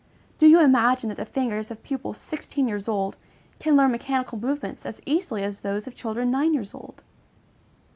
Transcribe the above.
Do you imagine that the fingers of pupils sixteen years old can learn mechanical movements as easily as those of children nine years old?